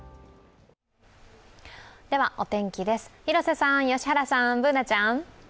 お天気です、広瀬さん、良原さん、Ｂｏｏｎａちゃん。